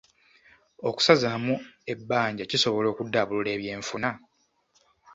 Okusazaamu ebbanja kisobola okuddaabulula ebyenfuna?